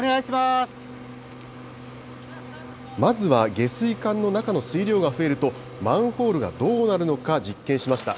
まずは、下水管の中の水量が増えると、マンホールがどうなるのか実験しました。